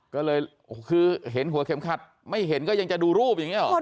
ก็เลยคือเห็นหัวเข็มขัดไม่เห็นก็ยังจะดูรูปอย่างนี้หรอ